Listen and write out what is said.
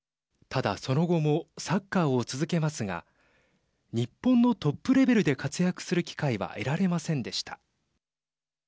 ただ、その後もサッカーを続けますが日本のトップレベルで活躍する機会は得られませんでした。